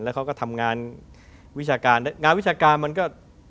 เขาก็ทำงานวิชาการงานวิชาการมันก็